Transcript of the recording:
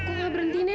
kok gak berhenti nek